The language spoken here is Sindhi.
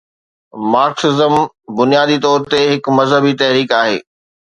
مارڪسزم بنيادي طور هڪ مذهبي تحريڪ آهي.